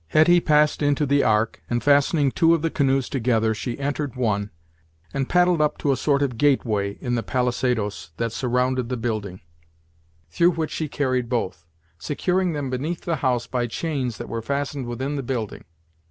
Hetty passed into the ark, and fastening two of the canoes together, she entered one, and paddled up to a sort of gateway in the palisadoes that surrounded the building, through which she carried both; securing them beneath the house by chains that were fastened within the building.